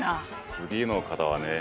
次の方はね